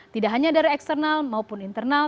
tidak hanya dari eksternal maupun internal